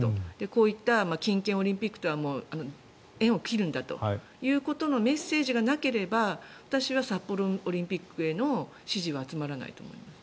こういった金券オリンピックとは縁を切るんだということのメッセージがなければ私は札幌オリンピックへの支持は集まらないと思います。